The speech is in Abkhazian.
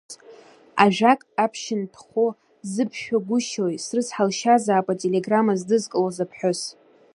Ажәак аԥшьынтәхәы зыбшәагәышьои, срыцҳалшьазаап ателеграмма здызкылоз аԥҳәыс.